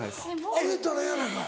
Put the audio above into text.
あげたらええやないかい。